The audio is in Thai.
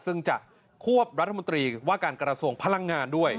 ซึ่งจะควบรัฐมนตรีว่าการกระทรวงพลังงานด้วย